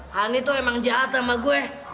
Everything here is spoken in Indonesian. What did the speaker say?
hani tuh emang jahat sama gue